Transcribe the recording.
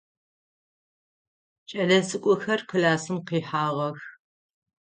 Кӏэлэцӏыкӏухэр классым къихьагъэх.